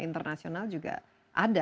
internasional juga ada